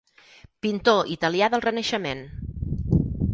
Pintor italià del Renaixement.